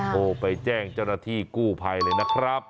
โทรไปแจ้งเจ้าหน้าที่กู้ภัยเลยนะครับ